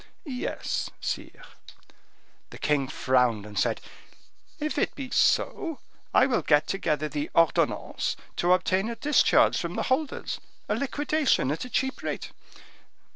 "Yes, sire." The king frowned and said, "If it be so, I will get together the ordonnances to obtain a discharge from the holders, a liquidation at a cheap rate."